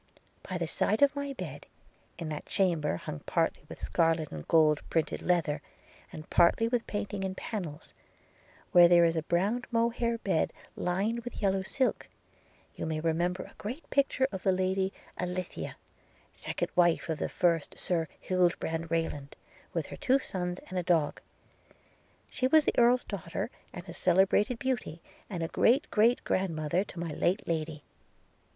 'By the side of my bed, in that chamber hung partly with scarlet and gold printed leather, and partly with painting in pannels, where there is a brown mohair bed lined with yellow silk, you may remember a great picture of the Lady Alithea, second wife of the first Sir Hildebrand Rayland, with her two sons and a dog – She was an Earl's daughter, and a celebrated beauty, and great great grandmother to my late Lady.